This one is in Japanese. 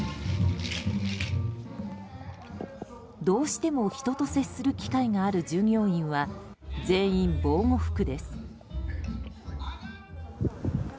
どうしても人と接する機会がある従業員は全員、防護服です。